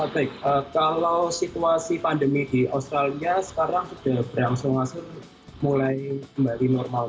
baik kalau situasi pandemi di australia sekarang sudah berlangsung mulai kembali normal